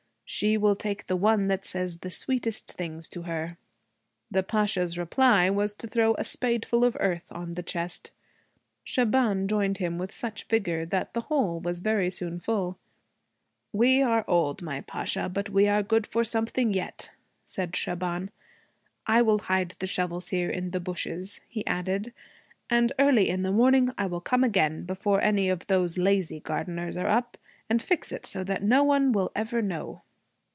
'She will take the one that says the sweetest things to her.' The Pasha's reply was to throw a spadeful of earth on the chest. Shaban joined him with such vigor that the hole was soon very full. 'We are old, my Pasha, but we are good for something yet,' said Shaban. 'I will hide the shovels here in the bushes,' he added, 'and early in the morning I will come again, before any of those lazy gardeners are up, and fix it so that no one will ever know.'